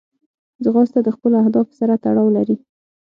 ځغاسته د خپلو اهدافو سره تړاو لري